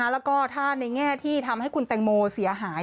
แล้วก็ถ้าในแง่ที่ทำให้คุณแตงโมเสียหาย